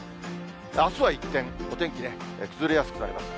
あすは一転、お天気ね、崩れやすくなります。